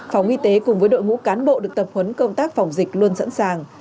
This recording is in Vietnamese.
phòng y tế cùng với đội ngũ cán bộ được tập huấn công tác phòng dịch luôn sẵn sàng